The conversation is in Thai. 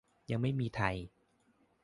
ยังไม่มีไทย